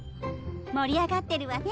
盛り上がってるわね。